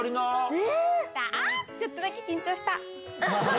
ちょっとだけ緊張した。